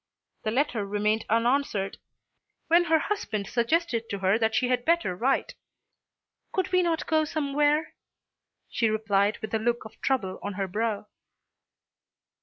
The letter remained unanswered, when her husband suggested to her that she had better write. "Could we not go somewhere?" she replied with a look of trouble on her brow.